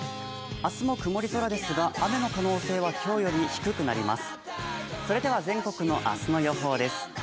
明日も曇り空ですが、雨の可能性は今日より低くなります。